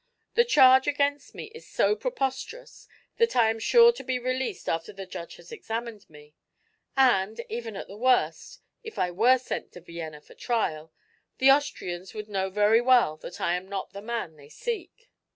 The charge against me is so preposterous that I am sure to be released after the judge has examined me; and, even at the worst if I were sent to Vienna for trial the Austrians would know very well that I am not the man they seek."